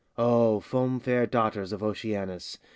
O foam fair daughters of Oceanus!